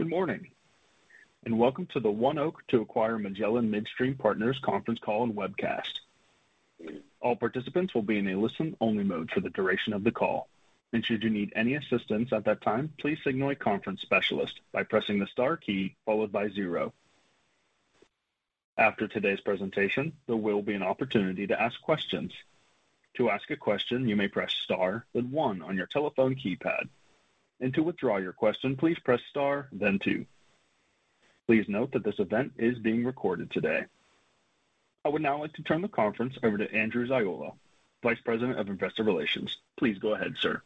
Good morning, and welcome to the ONEOK to acquire Magellan Midstream Partners conference call and webcast. All participants will be in a listen-only mode for the duration of the call. Should you need any assistance at that time, please signal a conference specialist by pressing the star key followed by zero. After today's presentation, there will be an opportunity to ask questions. To ask a question, you may press star then one on your telephone keypad. To withdraw your question, please press star then two. Please note that this event is being recorded today. I would now like to turn the conference over to Andrew Ziola, Vice President of Investor Relations. Please go ahead, sir.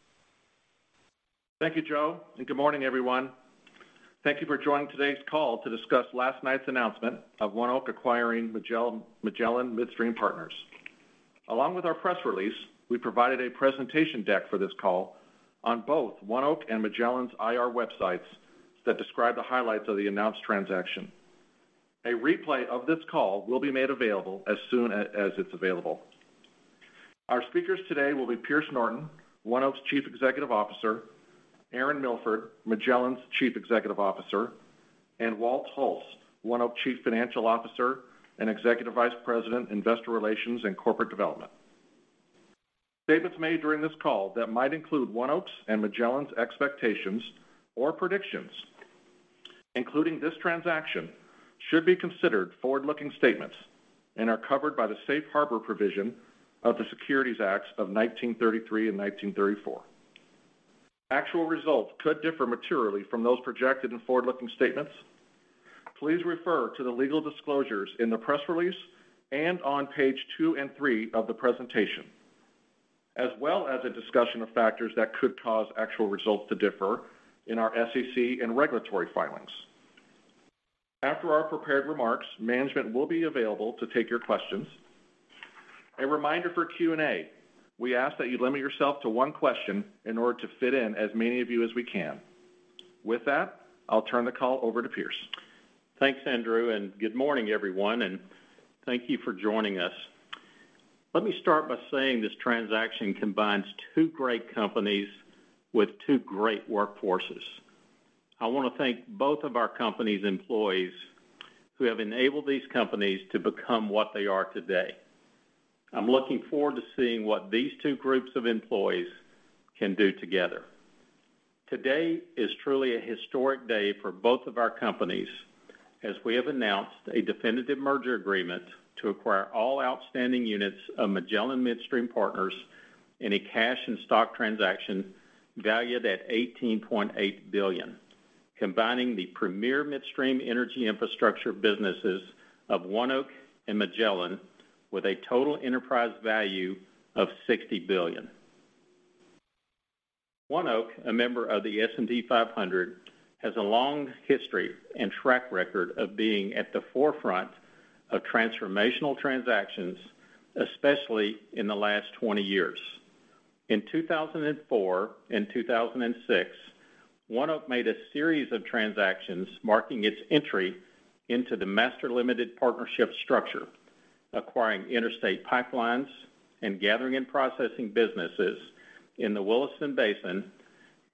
Thank you, Joe. Good morning, everyone. Thank you for joining today's call to discuss last night's announcement of ONEOK acquiring Magellan Midstream Partners. Along with our press release, we provided a presentation deck for this call on both ONEOK and Magellan's IR websites that describe the highlights of the announced transaction. A replay of this call will be made available as soon as it's available. Our speakers today will be Pierce Norton, ONEOK's Chief Executive Officer, Aaron Milford, Magellan's Chief Executive Officer, and Walter Hulce, ONEOK Chief Financial Officer and Executive Vice President, Investor Relations and Corporate Development. Statements made during this call that might include ONEOK's and Magellan's expectations or predictions, including this transaction, should be considered forward-looking statements and are covered by the safe harbor provision of the Securities Acts of 1933 and 1934. Actual results could differ materially from those projected in forward-looking statements. Please refer to the legal disclosures in the press release and on page two and three of the presentation, as well as a discussion of factors that could cause actual results to differ in our SEC and regulatory filings. After our prepared remarks, management will be available to take your questions. A reminder for Q&A, we ask that you limit yourself to one question in order to fit in as many of you as we can. With that, I'll turn the call over to Pierce. Thanks, Andrew, and good morning, everyone, and thank you for joining us. Let me start by saying this transaction combines two great companies with two great workforces. I wanna thank both of our companies' employees who have enabled these companies to become what they are today. I'm looking forward to seeing what these two groups of employees can do together. Today is truly a historic day for both of our companies, as we have announced a definitive merger agreement to acquire all outstanding units of Magellan Midstream Partners in a cash and stock transaction valued at $18.8 billion, combining the premier midstream energy infrastructure businesses of ONEOK and Magellan with a total enterprise value of $60 billion. ONEOK, a member of the S&P 500, has a long history and track record of being at the forefront of transformational transactions, especially in the last 20 years. In 2004 and 2006, ONEOK made a series of transactions marking its entry into the master limited partnership structure, acquiring interstate pipelines and gathering and processing businesses in the Williston Basin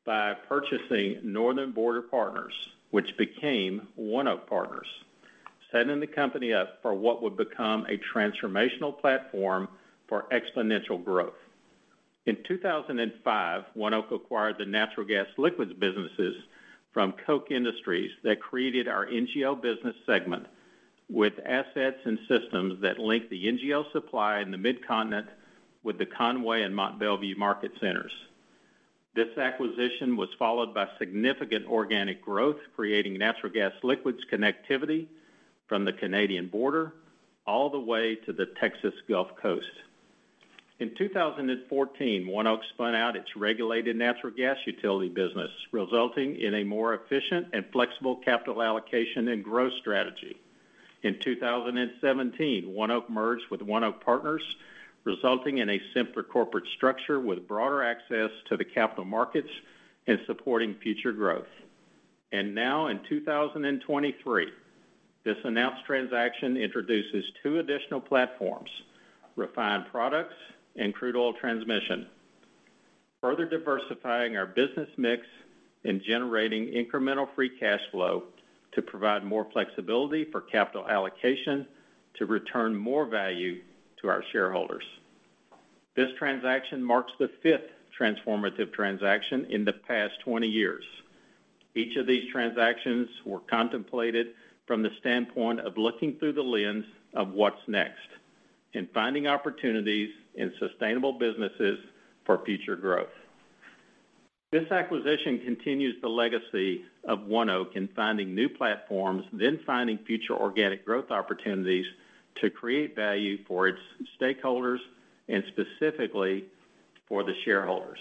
by purchasing Northern Border Partners, which became ONEOK Partners, setting the company up for what would become a transformational platform for exponential growth. In 2005, ONEOK acquired the natural gas liquids businesses from Koch Industries that created our NGL business segment with assets and systems that link the NGL supply in the Midcontinent with the Conway and Mont Belvieu market centers. This acquisition was followed by significant organic growth, creating natural gas liquids connectivity from the Canadian border all the way to the Texas Gulf Coast. In 2014, ONEOK spun out its regulated natural gas utility business, resulting in a more efficient and flexible capital allocation and growth strategy. In 2017, ONEOK merged with ONEOK Partners, resulting in a simpler corporate structure with broader access to the capital markets and supporting future growth. Now in 2023, this announced transaction introduces two additional platforms, refined products and crude oil transmission, further diversifying our business mix and generating incremental free cash flow to provide more flexibility for capital allocation to return more value to our shareholders. This transaction marks the fifth transformative transaction in the past 20 years. Each of these transactions were contemplated from the standpoint of looking through the lens of what's next and finding opportunities in sustainable businesses for future growth. This acquisition continues the legacy of ONEOK in finding new platforms, then finding future organic growth opportunities to create value for its stakeholders and specifically for the shareholders.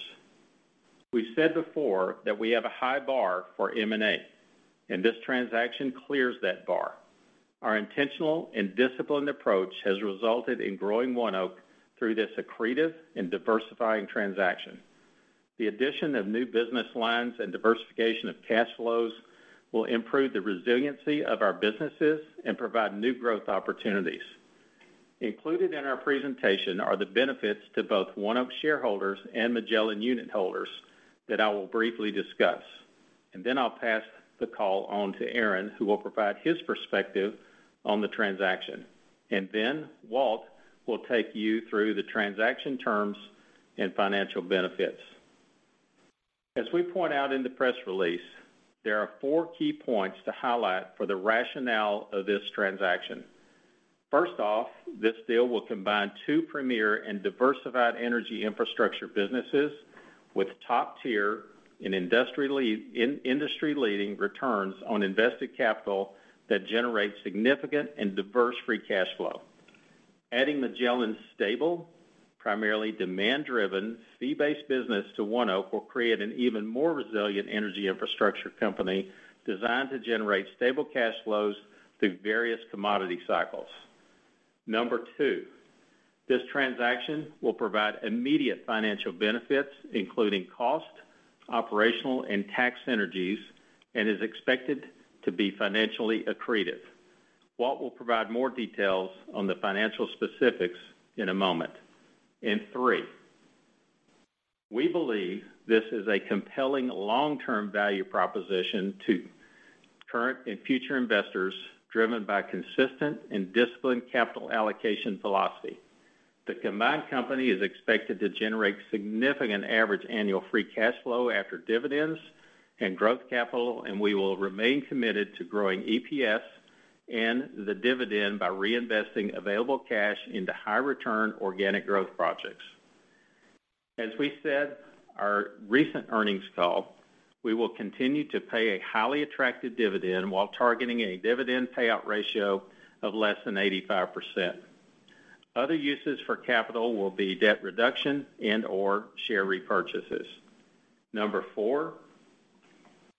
We've said before that we have a high bar for M&A. This transaction clears that bar. Our intentional and disciplined approach has resulted in growing ONEOK through this accretive and diversifying transaction. The addition of new business lines and diversification of cash flows will improve the resiliency of our businesses and provide new growth opportunities. Included in our presentation are the benefits to both ONEOK shareholders and Magellan unitholders that I will briefly discuss. Then I'll pass the call on to Aaron, who will provide his perspective on the transaction. Then Walter will take you through the transaction terms and financial benefits. As we point out in the press release, there are four key points to highlight for the rationale of this transaction. First off, this deal will combine two premier and diversified energy infrastructure businesses with top-tier and in-industry-leading returns on invested capital that generate significant and diverse free cash flow. Adding Magellan's stable, primarily demand-driven, fee-based business to ONEOK will create an even more resilient energy infrastructure company designed to generate stable cash flows through various commodity cycles. Number two, this transaction will provide immediate financial benefits, including cost, operational, and tax synergies, and is expected to be financially accretive. Walter will provide more details on the financial specifics in a moment. Three, we believe this is a compelling long-term value proposition to current and future investors driven by consistent and disciplined capital allocation philosophy. The combined company is expected to generate significant average annual free cash flow after dividends and growth capital, and we will remain committed to growing EPS and the dividend by reinvesting available cash into high return organic growth projects. As we said our recent earnings call, we will continue to pay a highly attractive dividend while targeting a dividend payout ratio of less than 85%. Other uses for capital will be debt reduction and/or share repurchases. Number four,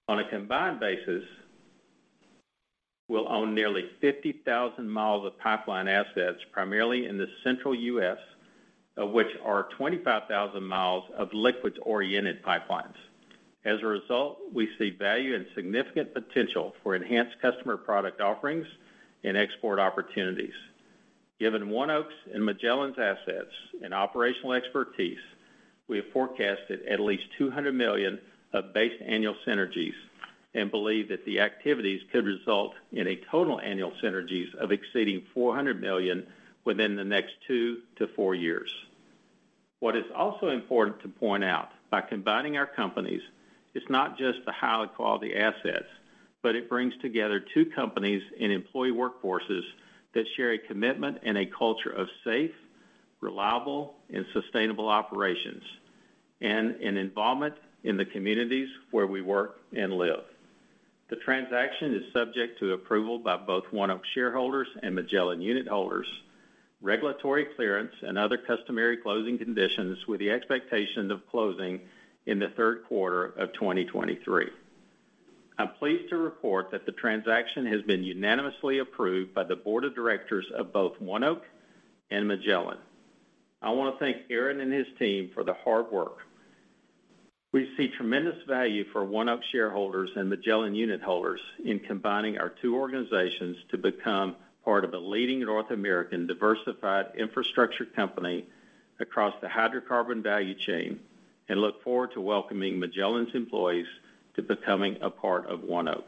on a combined basis, we'll own nearly 50,000 m of pipeline assets, primarily in the central U.S., of which are 25,000 m of liquids-oriented pipelines. As a result, we see value and significant potential for enhanced customer product offerings and export opportunities. Given ONEOK's and Magellan's assets and operational expertise, we have forecasted at least $200 million of base annual synergies and believe that the activities could result in a total annual synergies of exceeding $400 million within the next two to four years. What is also important to point out, by combining our companies, it's not just the high-quality assets, but it brings together two companies and employee workforces that share a commitment and a culture of safe, reliable, and sustainable operations and an involvement in the communities where we work and live. The transaction is subject to approval by both ONEOK shareholders and Magellan unitholders, regulatory clearance, and other customary closing conditions with the expectation of closing in the third quarter of 2023. I'm pleased to report that the transaction has been unanimously approved by the board of directors of both ONEOK and Magellan. I wanna thank Aaron and his team for the hard work. We see tremendous value for ONEOK shareholders and Magellan unitholders in combining our two organizations to become part of a leading North American diversified infrastructure company across the hydrocarbon value chain and look forward to welcoming Magellan's employees to becoming a part of ONEOK.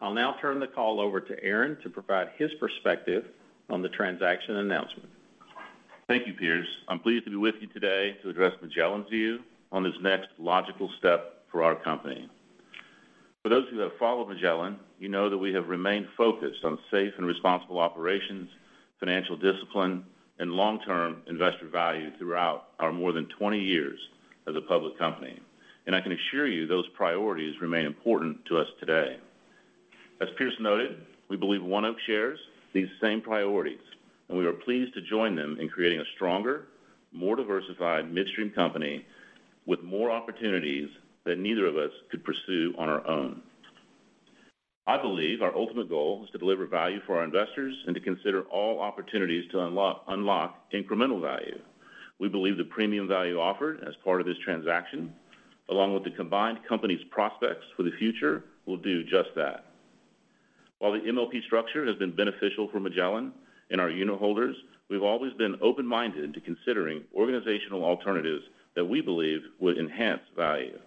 I'll now turn the call over to Aaron to provide his perspective on the transaction announcement. Thank you, Pierce. I'm pleased to be with you today to address Magellan's view on this next logical step for our company. For those who have followed Magellan, you know that we have remained focused on safe and responsible operations, financial discipline, and long-term investor value throughout our more than 20 years as a public company. I can assure you those priorities remain important to us today. As Pierce noted, we believe ONEOK shares these same priorities, and we are pleased to join them in creating a stronger, more diversified midstream company with more opportunities that neither of us could pursue on our own. I believe our ultimate goal is to deliver value for our investors and to consider all opportunities to unlock incremental value. We believe the premium value offered as part of this transaction, along with the combined company's prospects for the future, will do just that. While the MLP structure has been beneficial for Magellan and our unitholders, we've always been open-minded to considering organizational alternatives that we believe would enhance value.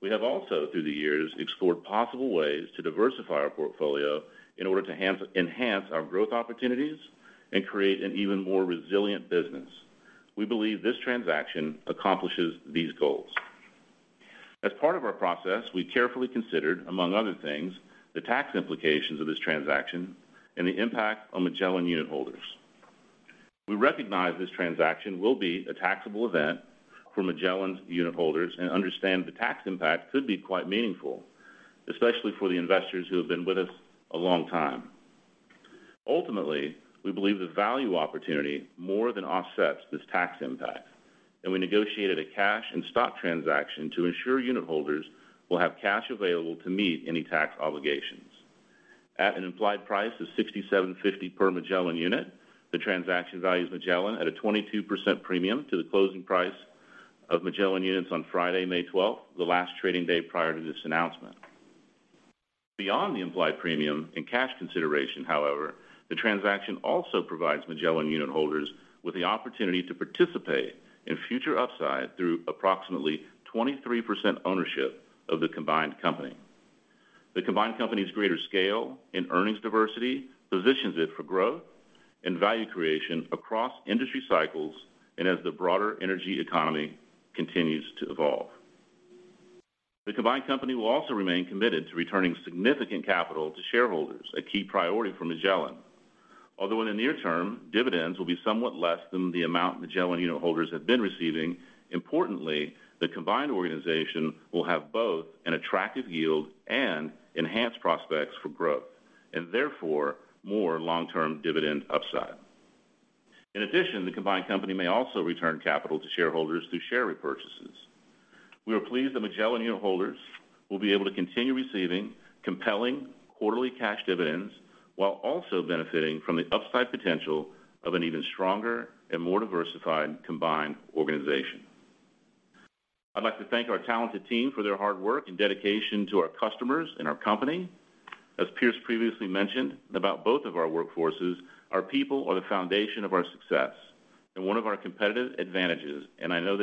We have also, through the years, explored possible ways to diversify our portfolio in order to enhance our growth opportunities and create an even more resilient business. We believe this transaction accomplishes these goals. As part of our process, we carefully considered, among other things, the tax implications of this transaction and the impact on Magellan unitholders. We recognize this transaction will be a taxable event for Magellan's unitholders and understand the tax impact could be quite meaningful, especially for the investors who have been with us a long time. Ultimately, we believe the value opportunity more than offsets this tax impact, and we negotiated a cash and stock transaction to ensure unitholders will have cash available to meet any tax obligations. At an implied price of $67.50 per Magellan unit, the transaction values Magellan at a 22% premium to the closing price of Magellan units on Friday, May 12th, the last trading day prior to this announcement. Beyond the implied premium and cash consideration, however, the transaction also provides Magellan unitholders with the opportunity to participate in future upside through approximately 23% ownership of the combined company. The combined company's greater scale and earnings diversity positions it for growth and value creation across industry cycles and as the broader energy economy continues to evolve. The combined company will also remain committed to returning significant capital to shareholders, a key priority for Magellan. Although in the near term, dividends will be somewhat less than the amount Magellan unitholders have been receiving, importantly, the combined organization will have both an attractive yield and enhanced prospects for growth, and therefore, more long-term dividend upside. In addition, the combined company may also return capital to shareholders through share repurchases. We are pleased that Magellan unitholders will be able to continue receiving compelling quarterly cash dividends while also benefiting from the upside potential of an even stronger and more diversified combined organization. I'd like to thank our talented team for their hard work and dedication to our customers and our company. As Pierce previously mentioned about both of our workforces, our people are the foundation of our success and one of our competitive advantages. I know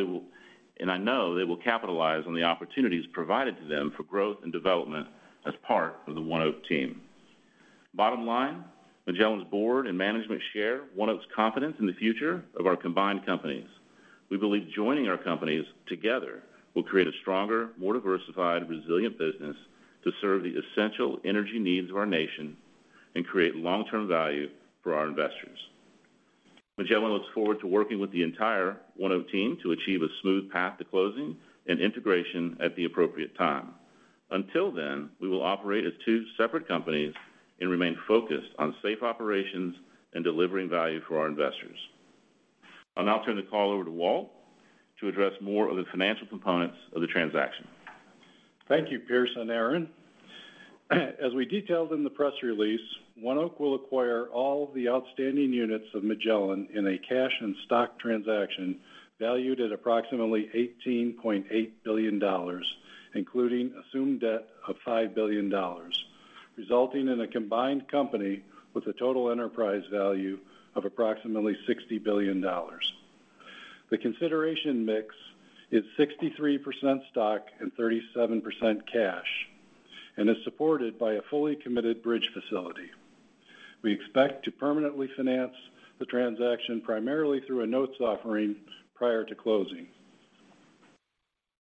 they will capitalize on the opportunities provided to them for growth and development as part of the ONEOK team. Bottom line, Magellan's board and management share ONEOK's confidence in the future of our combined companies. We believe joining our companies together will create a stronger, more diversified, resilient business to serve the essential energy needs of our nation and create long-term value for our investors. Magellan looks forward to working with the entire ONEOK team to achieve a smooth path to closing and integration at the appropriate time. Until then, we will operate as two separate companies and remain focused on safe operations and delivering value for our investors. I'll now turn the call over to Walter to address more of the financial components of the transaction. Thank you, Pierce and Aaron. As we detailed in the press release, ONEOK will acquire all the outstanding units of Magellan in a cash and stock transaction valued at approximately $18.8 billion, including assumed debt of $5 billion, resulting in a combined company with a total enterprise value of approximately $60 billion. The consideration mix is 63% stock and 37% cash and is supported by a fully committed bridge facility. We expect to permanently finance the transaction primarily through a notes offering prior to closing.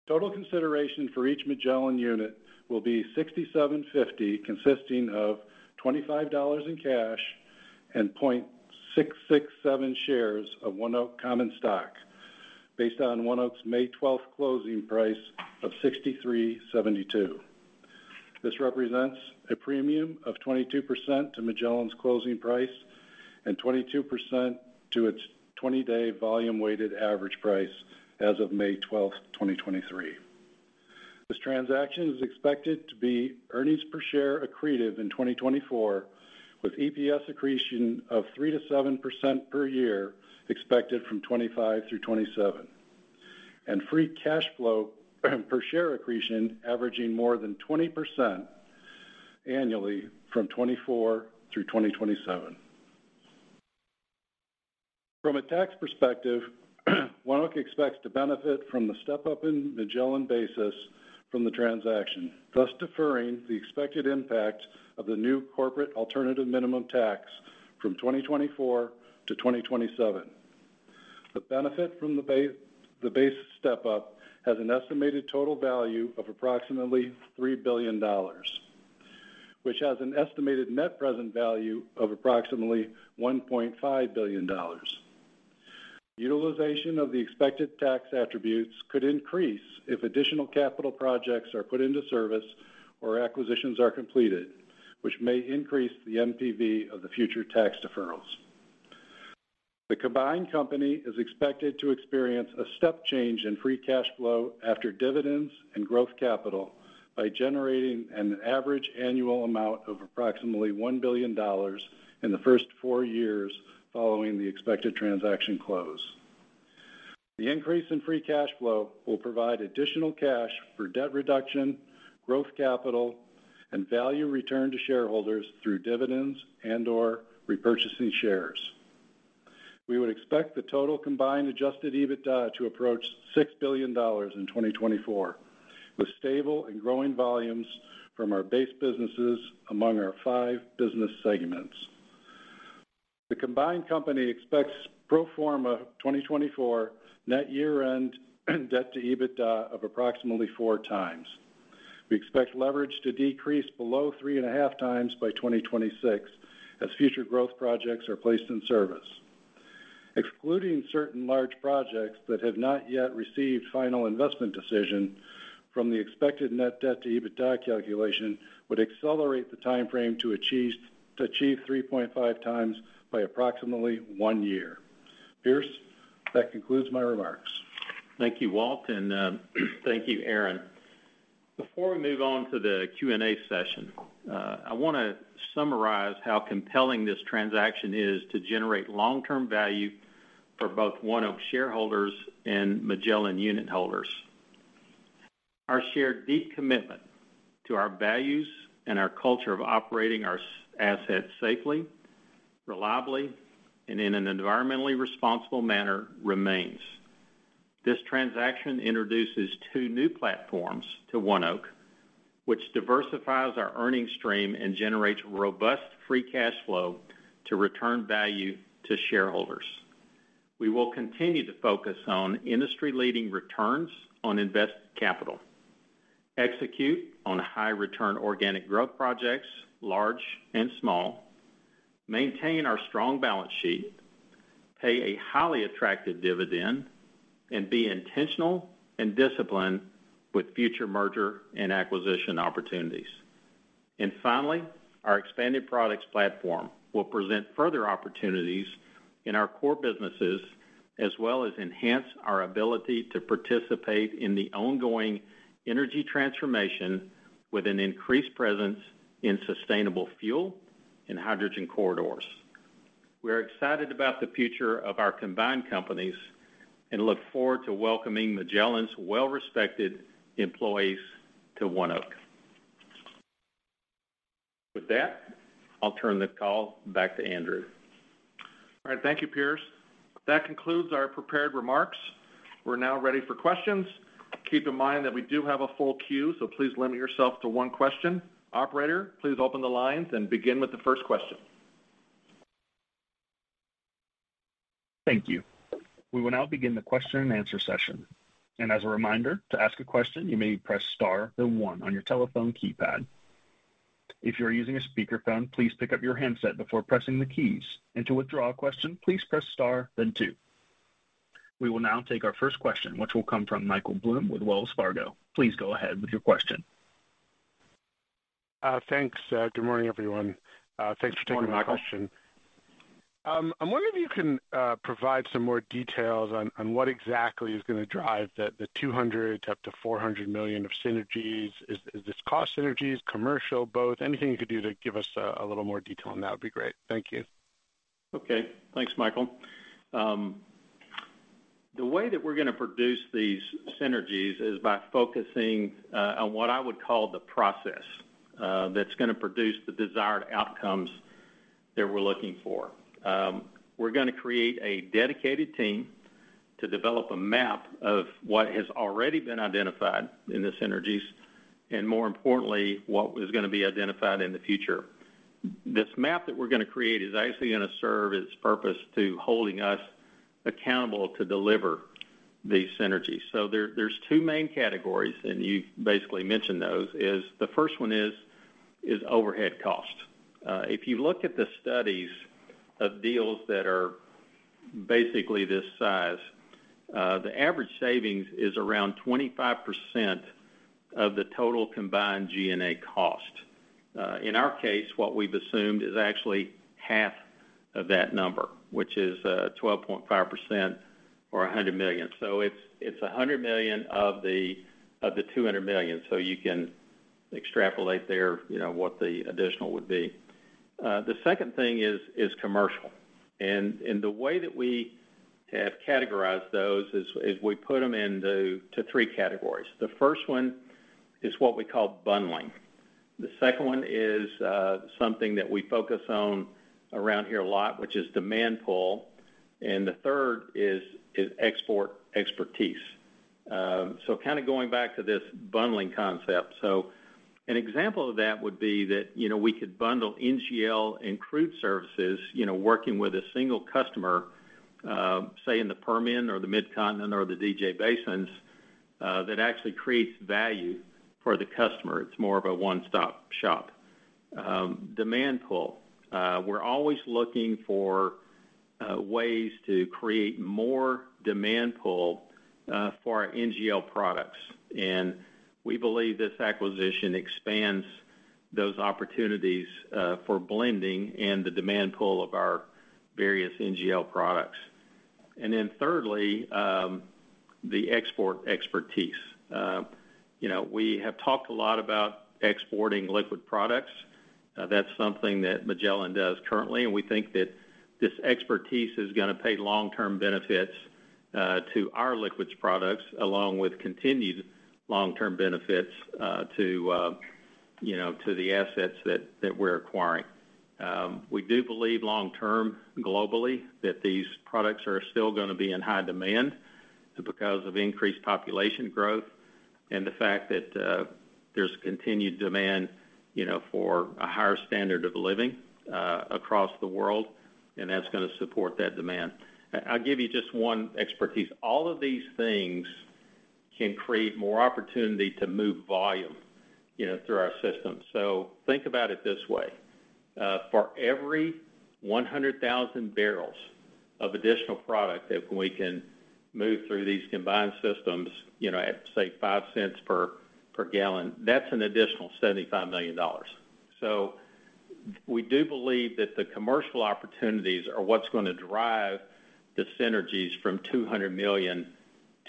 Total consideration for each Magellan unit will be $67.50, consisting of $25 in cash and 0.667 shares of ONEOK common stock based on ONEOK's May 12th closing price of $63.72. This represents a premium of 22% to Magellan's closing price and 22% to its 20-day volume-weighted average price as of May 12, 2023. This transaction is expected to be earnings per share accretive in 2024, with EPS accretion of 3%-7% per year expected from 2025 through 2027, and free cash flow per share accretion averaging more than 20% annually from 2024 through 2027. From a tax perspective, ONEOK expects to benefit from the step-up in Magellan basis from the transaction, thus deferring the expected impact of the new Corporate Alternative Minimum Tax from 2024 to 2027. The benefit from the base step-up has an estimated total value of approximately $3 billion, which has an estimated net present value of approximately $1.5 billion. Utilization of the expected tax attributes could increase if additional capital projects are put into service or acquisitions are completed, which may increase the NPV of the future tax deferrals. The combined company is expected to experience a step change in free cash flow after dividends and growth capital by generating an average annual amount of approximately $1 billion in the first four years following the expected transaction close. The increase in free cash flow will provide additional cash for debt reduction, growth capital, and value returned to shareholders through dividends and/or repurchasing shares. We would expect the total combined adjusted EBITDA to approach $6 billion in 2024, with stable and growing volumes from our base businesses among our five business segments. The combined company expects pro forma 2024 net year-end debt to EBITDA of approximately 4x. We expect leverage to decrease below 3.5x by 2026 as future growth projects are placed in service. Excluding certain large projects that have not yet received final investment decision from the expected net debt to EBITDA calculation would accelerate the timeframe to achieve 3.5x by approximately one year. Pierce, that concludes my remarks. Thank you, Walter, and thank you, Aaron. Before we move on to the Q&A session, I wanna summarize how compelling this transaction is to generate long-term value We are excited about the future of our combined companies and look forward to welcoming Magellan's well-respected employees to ONEOK. With that, I'll turn the call back to Andrew. All right. Thank you, Pierce. That concludes our prepared remarks. We're now ready for questions. Keep in mind that we do have a full queue. Please limit yourself to one question. Operator, please open the lines and begin with the first question. Thank you. We will now begin the question and answer session. As a reminder, to ask a question, you may press star then one on your telephone keypad. If you are using a speakerphone, please pick up your handset before pressing the keys. To withdraw a question, please press star then two. We will now take our first question, which will come from Michael Blum with Wells Fargo. Please go ahead with your question. Thanks. Good morning, everyone. Thanks for taking my question. Good morning, Michael. I'm wondering if you can provide some more details on what exactly is gonna drive the $200 million-$400 million of synergies. Is this cost synergies, commercial, both? Anything you could do to give us a little more detail on that would be great. Thank you. Thanks, Michael. The way that we're gonna produce these synergies is by focusing on what I would call the process that's gonna produce the desired outcomes that we're looking for. We're gonna create a dedicated team to develop a map of what has already been identified in the synergies, and more importantly, what was gonna be identified in the future. This map that we're gonna create is actually gonna serve its purpose to holding us accountable to deliver these synergies. There's two main categories, and you basically mentioned those, the first one is overhead cost. If you look at the studies of deals that are basically this size, the average savings is around 25% of the total combined G&A cost. In our case, what we've assumed is actually half of that number, which is 12.5% or $100 million. It's $100 million of the $200 million. You can extrapolate there, you know, what the additional would be. The second thing is commercial. The way that we have categorized those is, we put them into three categories. The first one is what we call bundling. The second one is something that we focus on around here a lot, which is demand pull, and the third is export expertise. Kind of going back to this bundling concept. An example of that would be that, you know, we could bundle NGL and crude services, you know, working with a single customer, say in the Permian or the Mid-Continent or the DJ basins, that actually creates value for the customer. It's more of a one-stop shop. Demand pull. We're always looking for ways to create more demand pull for our NGL products, and we believe this acquisition expands those opportunities for blending and the demand pull of our various NGL products. Thirdly, the export expertise. You know, we have talked a lot about exporting liquid products. That's something that Magellan does currently, and we think that this expertise is gonna pay long-term benefits to our liquids products, along with continued long-term benefits to, you know, to the assets that we're acquiring. We do believe long-term globally that these products are still gonna be in high demand because of increased population growth and the fact that there's continued demand, you know, for a higher standard of living across the world, and that's gonna support that demand. I'll give you just one expertise. All of these things can create more opportunity to move volume, you know, through our system. Think about it this way. For every 100,000 barrels of additional product that we can move through these combined systems, you know, at, say, $0.05 per gallon, that's an additional $75 million. We do believe that the commercial opportunities are what's gonna drive the synergies from $200 million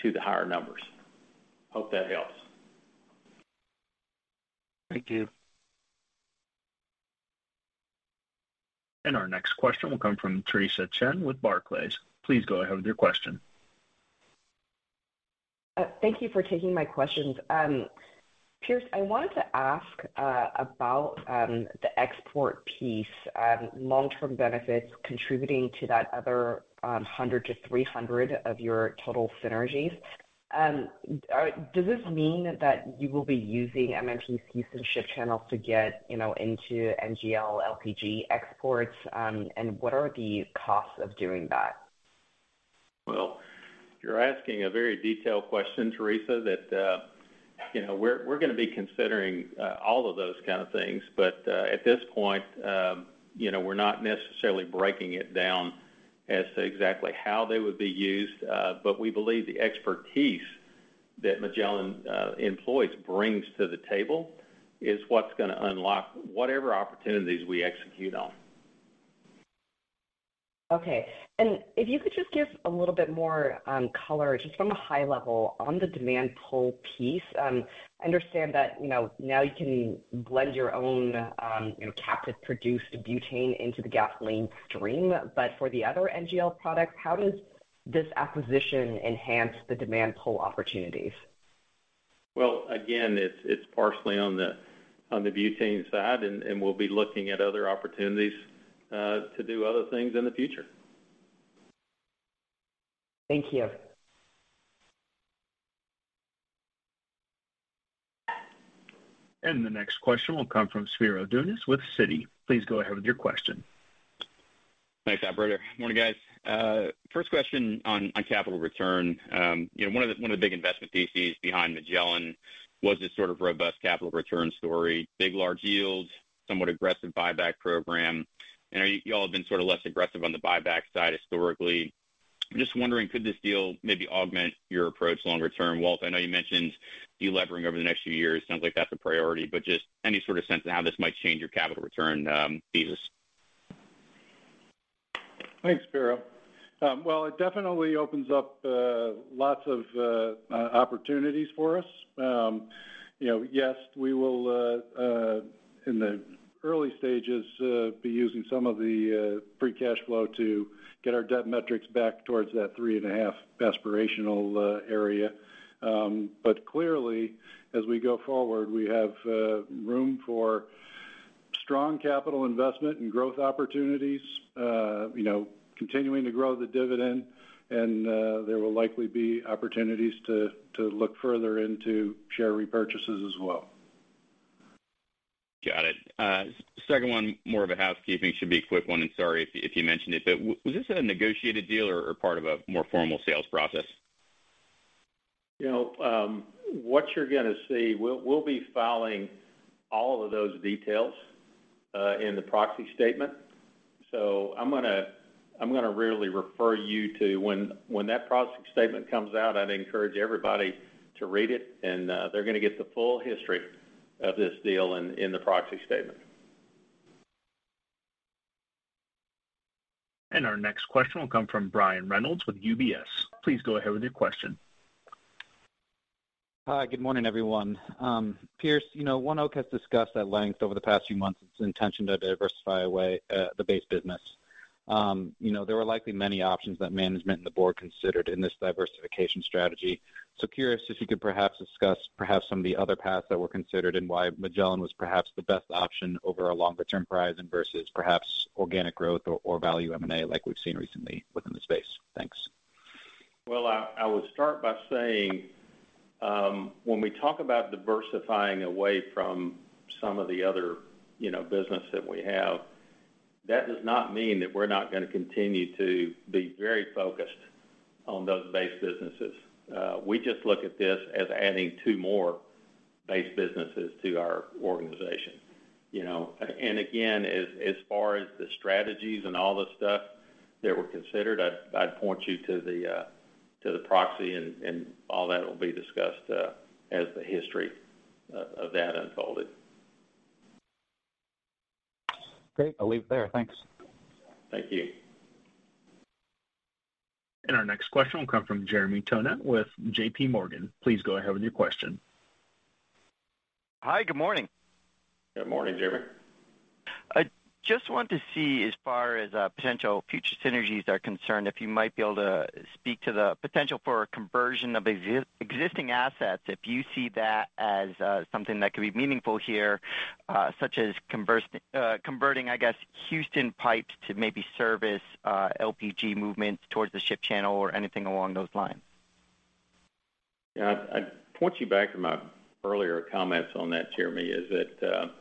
to the higher numbers. Hope that helps. Thank you. Our next question will come from Theresa Chen with Barclays. Please go ahead with your question. Thank you for taking my questions. Pierce, I wanted to ask about the export piece, long-term benefits contributing to that other $100-$300 of your total synergies. Does this mean that you will be using MMPC's and ship channels to get, you know, into NGL, LPG exports, and what are the costs of doing that? You're asking a very detailed question, Theresa, that, you know, we're gonna be considering all of those kind of things. At this point, you know, we're not necessarily breaking it down as to exactly how they would be used, but we believe the expertise that Magellan employs brings to the table is what's gonna unlock whatever opportunities we execute on. Okay. If you could just give a little bit more, color, just from a high level on the demand pull piece. I understand that, you know, now you can blend your own, you know, captive produced butane into the gasoline stream. For the other NGL products, how does this acquisition enhance the demand pull opportunities? Well, again, it's partially on the butane side, and we'll be looking at other opportunities to do other things in the future. Thank you. The next question will come from Spiro Dounis with Citi. Please go ahead with your question. Thanks, operator. Morning, guys. First question on capital return. you know, one of the big investment theses behind Magellan was this sort of robust capital return story, big large yields, somewhat aggressive buyback program. I know you all have been sort of less aggressive on the buyback side historically. I'm just wondering, could this deal maybe augment your approach longer term? Walter, I know you mentioned delivering over the next few years, sounds like that's a priority, but just any sort of sense of how this might change your capital return thesis? Thanks, Spiro. Well, it definitely opens up lots of opportunities for us. You know, yes, we will in the early stages be using some of the free cash flow to get our debt metrics back towards that 3.5 aspirational area. Clearly, as we go forward, we have room for strong capital investment and growth opportunities, you know, continuing to grow the dividend, and there will likely be opportunities to look further into share repurchases as well. Got it. Second one, more of a housekeeping. Should be a quick one, and sorry if you mentioned it, but was this a negotiated deal or part of a more formal sales process? You know, what you're gonna see, we'll be filing all of those details in the proxy statement. I'm gonna really refer you to when that proxy statement comes out, I'd encourage everybody to read it, and they're gonna get the full history of this deal in the proxy statement. Our next question will come from Brian Reynolds with UBS. Please go ahead with your question. Hi, good morning, everyone. Pierce, you know, ONEOK has discussed at length over the past few months its intention to diversify away the base business. You know, there were likely many options that management and the board considered in this diversification strategy. Curious if you could perhaps discuss perhaps some of the other paths that were considered and why Magellan was perhaps the best option over a longer term horizon versus perhaps organic growth or value M&A like we've seen recently within the space. Thanks. Well, I would start by saying, when we talk about diversifying away from some of the other, you know, business that we have, that does not mean that we're not gonna continue to be very focused on those base businesses. We just look at this as adding 2 more base businesses to our organization, you know. Again, as far as the strategies and all the stuff that were considered, I'd point you to the proxy and all that will be discussed, as the history of that unfolded. Great. I'll leave it there. Thanks. Thank you. Our next question will come from Jeremy Tonet with JPMorgan. Please go ahead with your question. Hi, good morning. Good morning, Jeremy. I just want to see as far as potential future synergies are concerned, if you might be able to speak to the potential for a conversion of existing assets, if you see that as something that could be meaningful here, such as converting, I guess, Houston pipes to maybe service, LPG movements towards the ship channel or anything along those lines? Yeah. I'd point you back to my earlier comments on that, Jeremy, is that,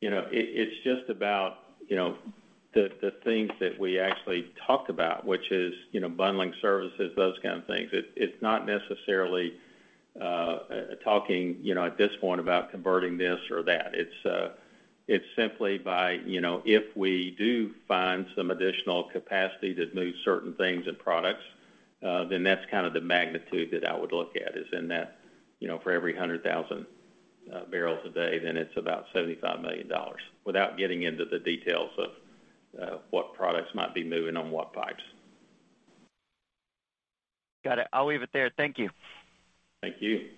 you know, it's just about, you know, the things that we actually talked about, which is, you know, bundling services, those kind of things. It, it's not necessarily talking, you know, at this point about converting this or that. It's simply by, you know, if we do find some additional capacity to move certain things and products, then that's kind of the magnitude that I would look at is in that, you know, for every 100,000 barrels a day, then it's about $75 million, without getting into the details of what products might be moving on what pipes. Got it. I'll leave it there. Thank you. Thank you.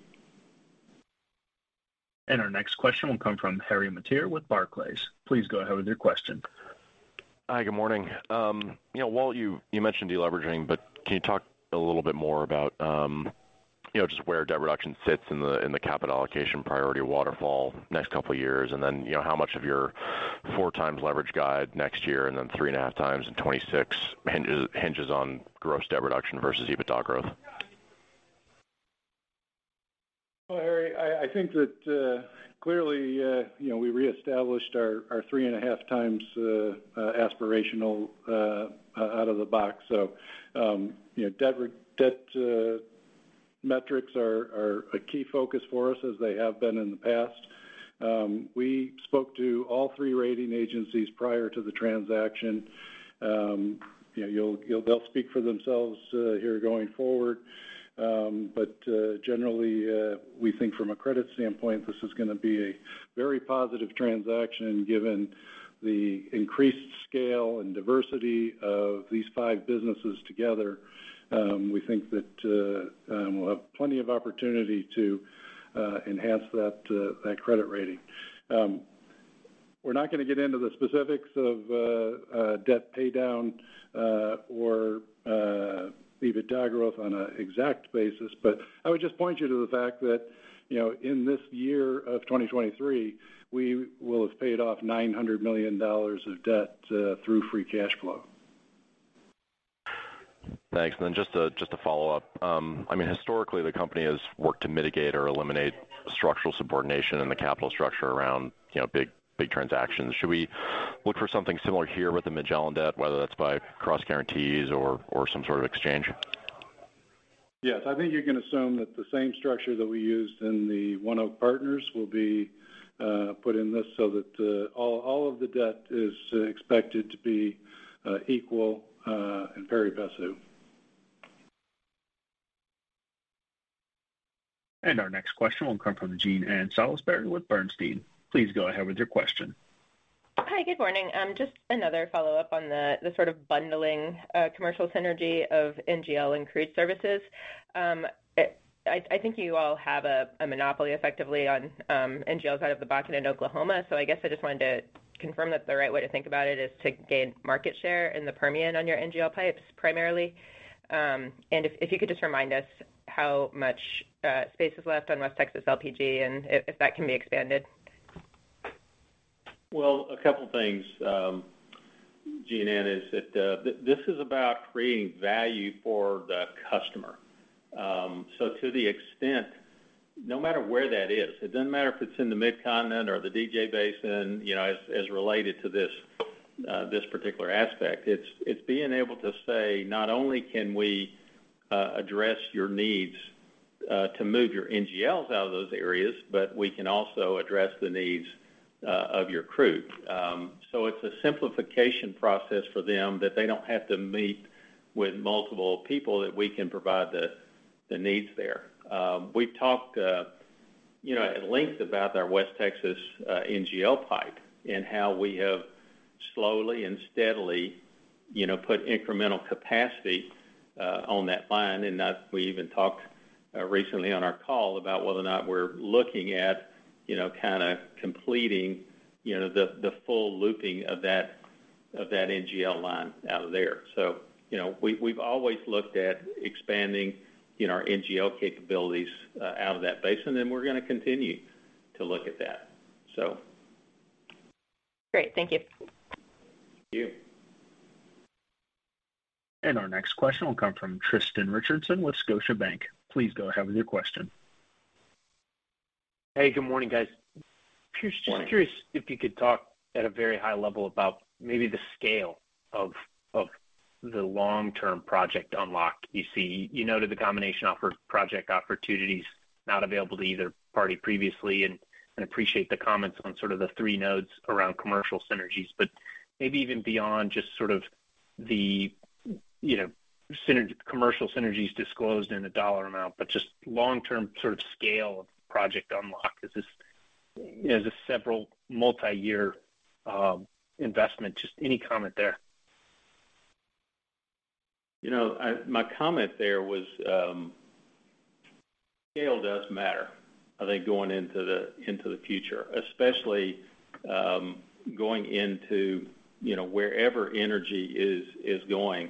Our next question will come from Harry Mateer with Barclays. Please go ahead with your question. Hi, good morning. You know, Walter, you mentioned de-leveraging, but can you talk a little bit more about, you know, just where debt reduction sits in the capital allocation priority waterfall next couple years? How much of your 4 times leverage guide next year and then 3.5 times in 2026 hinges on gross debt reduction versus EBITDA growth? Well, Harry, I think that, clearly, you know, we reestablished our three and a half times aspirational out of the box. You know, debt metrics are a key focus for us as they have been in the past. We spoke to all three rating agencies prior to the transaction. You know, they'll speak for themselves here going forward. Generally, we think from a credit standpoint, this is gonna be a very positive transaction given the increased scale and diversity of these five businesses together. We think that, we'll have plenty of opportunity to enhance that credit rating. We're not gonna get into the specifics of debt pay down or EBITDA growth on a exact basis, but I would just point you to the fact that, you know, in this year of 2023, we will have paid off $900 million of debt through free cash flow. Thanks. Then just a follow-up. I mean, historically, the company has worked to mitigate or eliminate structural subordination in the capital structure around, you know, big transactions. Should we look for something similar here with the Magellan debt, whether that's by cross guarantees or some sort of exchange? Yes. I think you can assume that the same structure that we used in the ONEOK Partners will be put in this so that all of the debt is expected to be equal and pari passu. Our next question will come from Jean Ann Salisbury with Bernstein. Please go ahead with your question. Hi, good morning. Just another follow-up on the sort of bundling, commercial synergy of NGL and crude services. I think you all have a monopoly effectively on NGLs out of the Bakken and Oklahoma. I guess I just wanted to confirm that the right way to think about it is to gain market share in the Permian on your NGL pipes primarily. If you could just remind us how much space is left on West Texas LPG and if that can be expanded. Well, a couple things, Jean Ann, is that this is about creating value for the customer. To the extent, no matter where that is, it doesn't matter if it's in the Mid-Continent or the DJ Basin, you know, as related to this particular aspect, it's being able to say, "Not only can we address your needs to move your NGLs out of those areas, but we can also address the needs of your crew." It's a simplification process for them that they don't have to meet with multiple people, that we can provide the needs there. We've talked, you know, at length about our West Texas NGL pipe and how we have slowly and steadily, you know, put incremental capacity on that line. We even talked recently on our call about whether or not we're looking at, you know, kinda completing, you know, the full looping of that NGL line out of there. We've always looked at expanding, you know, our NGL capabilities out of that basin. We're gonna continue to look at that. Great. Thank you. Thank you. Our next question will come from Tristan Richardson with Scotiabank. Please go ahead with your question. Hey, good morning, guys. Morning. Just curious if you could talk at a very high level about maybe the scale of the long-term project unlock you see. You noted the combination offer project opportunity's not available to either party previously, and I appreciate the comments on sort of the three nodes around commercial synergies. Maybe even beyond just sort of the, you know, commercial synergies disclosed in a dollar amount, but just long-term sort of scale of project unlock. Is this, you know, is this several multi-year investment? Just any comment there. You know, my comment there was, scale does matter, I think, going into the future, especially, going into, you know, wherever energy is going.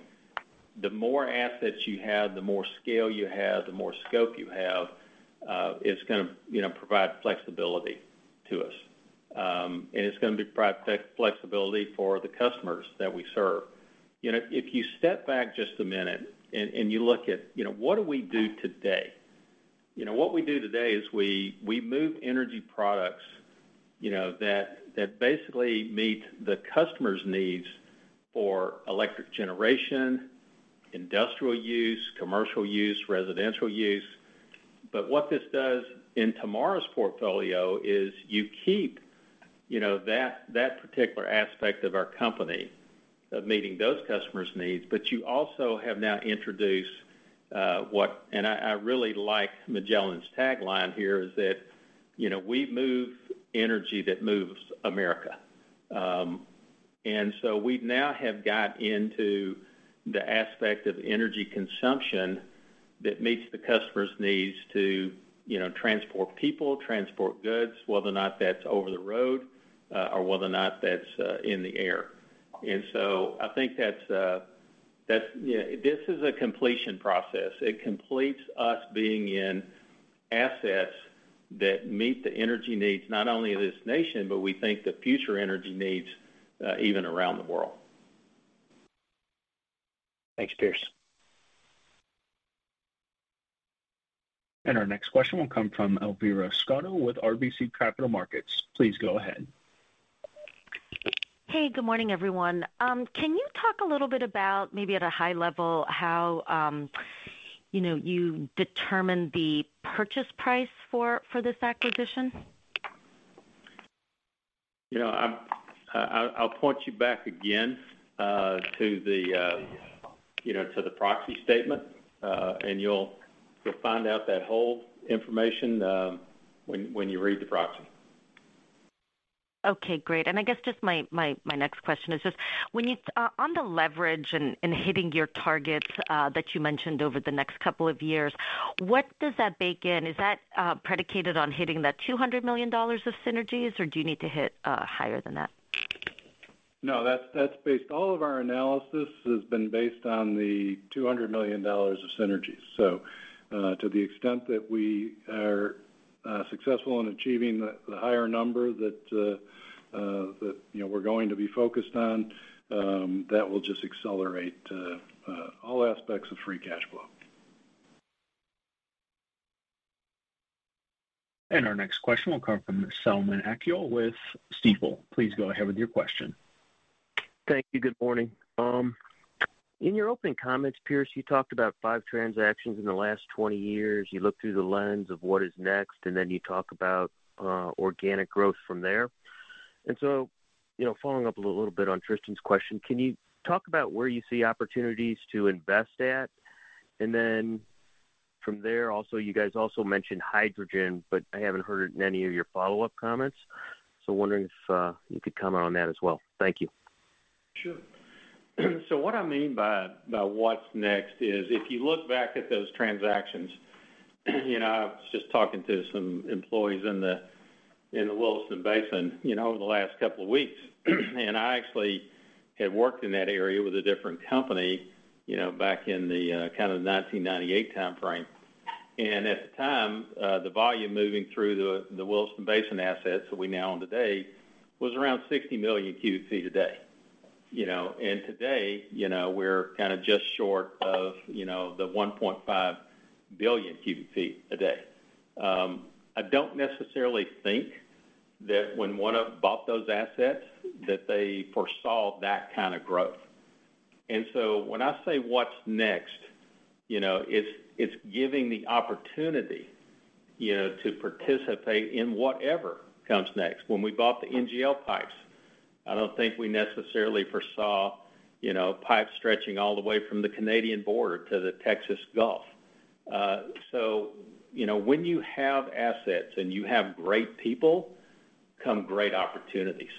The more assets you have, the more scale you have, the more scope you have, it's gonna, you know, provide flexibility to us. It's gonna provide flexibility for the customers that we serve. You know, if you step back just a minute and you look at, you know, what do we do today? You know, what we do today is we move energy products, you know, that basically meet the customer's needs for electric generation, industrial use, commercial use, residential use. What this does in tomorrow's portfolio is you keep, you know, that particular aspect of our company, of meeting those customers' needs, but you also have now introduced what and I really like Magellan's tagline here, is that, you know, we move energy that moves America. We now have got into the aspect of energy consumption that meets the customer's needs to, you know, transport people, transport goods, whether or not that's over the road, or whether or not that's in the air. I think that's, you know, this is a completion process. It completes us being in assets that meet the energy needs, not only of this nation, but we think the future energy needs even around the world. Thanks, Pierce. Our next question will come from Elvira Scotto with RBC Capital Markets. Please go ahead. Hey, good morning, everyone. Can you talk a little bit about, maybe at a high level, how, you know, you determine the purchase price for this acquisition? You know, I'll point you back again to the, you know, to the proxy statement, and you'll find out that whole information when you read the proxy. Okay, great. I guess just my next question is just when you on the leverage and hitting your targets that you mentioned over the next couple of years, what does that bake in? Is that predicated on hitting that $200 million of synergies, or do you need to hit higher than that? No, all of our analysis has been based on the $200 million of synergies. To the extent that we are successful in achieving the higher number that, you know, we're going to be focused on, that will just accelerate all aspects of free cash flow. Our next question will come from Selman Akyol with Stifel. Please go ahead with your question. Thank you. Good morning. In your opening comments, Pierce, you talked about 5 transactions in the last 20 years. Then you talk about organic growth from there. You know, following up a little bit on Tristan's question, can you talk about where you see opportunities to invest at? Then from there, also, you guys also mentioned hydrogen, but I haven't heard it in any of your follow-up comments. Wondering if you could comment on that as well. Thank you. Sure. What I mean by what's next is if you look back at those transactions, you know, I was just talking to some employees in the Williston Basin, you know, over the last couple of weeks, and I actually had worked in that area with a different company, you know, back in the kind of 1998 timeframe. At the time, the volume moving through the Williston Basin assets that we now own today was around 60 million cubic feet a day. Today, you know, we're kind of just short of, you know, the 1.5 billion cubic feet a day. I don't necessarily think that when ONEOK bought those assets, that they foresaw that kind of growth. When I say what's next, you know, it's giving the opportunity, you know, to participate in whatever comes next. When we bought the NGL pipes, I don't think we necessarily foresaw, you know, pipes stretching all the way from the Canadian Border to the Texas Gulf. When you have assets and you have great people, come great opportunities.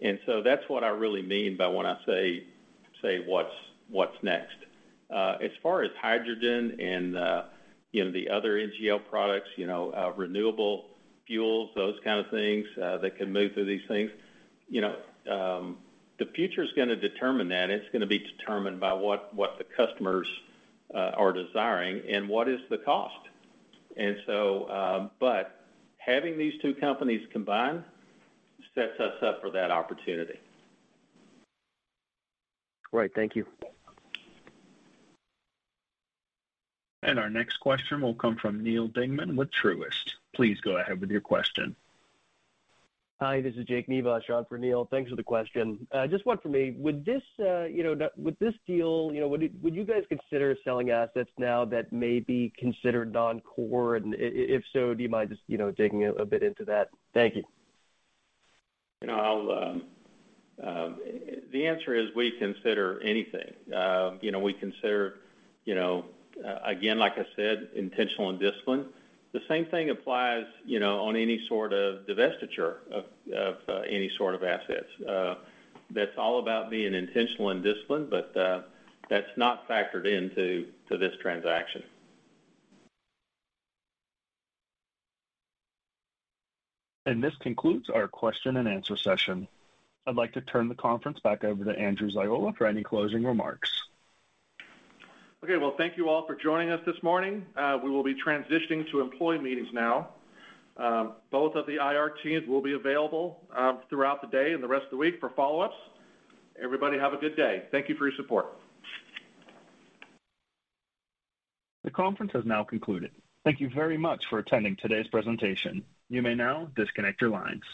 That's what I really mean by when I say what's next. As far as hydrogen and, you know, the other NGL products, you know, renewable fuels, those kind of things that can move through these things, you know, the future's gonna determine that, and it's gonna be determined by what the customers are desiring and what is the cost. Having these two companies combined sets us up for that opportunity. Great. Thank you. Our next question will come from Neal Dingmann with Truist. Please go ahead with your question. Hi, this is Jake Neva, Sean for Neal. Thanks for the question. Just one for me. Would this, you know, would this deal, you know, would you guys consider selling assets now that may be considered non-core? If so, do you mind just, you know, digging a bit into that? Thank you. You know, I'll. The answer is we consider anything. You know, we consider, you know, again, like I said, intentional and disciplined. The same thing applies, you know, on any sort of divestiture of any sort of assets. That's all about being intentional and disciplined, but that's not factored into this transaction. This concludes our question and answer session. I'd like to turn the conference back over to Andrew Ziola for any closing remarks. Okay. Well, thank you all for joining us this morning. We will be transitioning to employee meetings now. Both of the IR teams will be available throughout the day and the rest of the week for follow-ups. Everybody have a good day. Thank you for your support. The conference has now concluded. Thank you very much for attending today's presentation. You may now disconnect your lines.